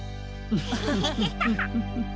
フフフフフ。